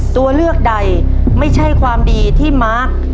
ตัวเลือกใดไม่ใช่ความดีที่มาร์ค